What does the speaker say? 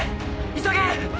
急げ！！